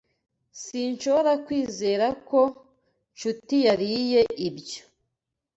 Sinshobora kwizera ko Nshuti yariye ibyo.